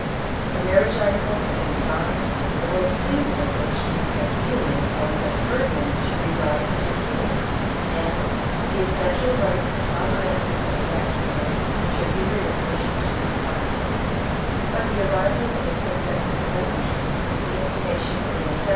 The marriage articles had been signed, the most pleasing of which to the Castilliiins was that Ferdinand should reside in Castile, and the "essential rights of sovereignty over that king dom should be relinquished to his consort," But the arrival of the princess' messengers with the information of the neces.>